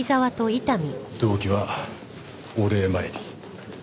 動機はお礼参り。